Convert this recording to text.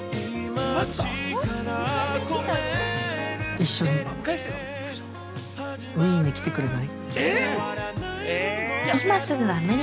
一緒に一番はウィーンに来てくれない。